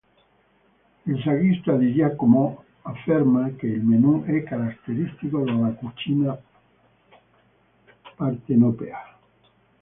Il saggista Di Giacomo afferma che il menù è caratteristico della cucina partenopea.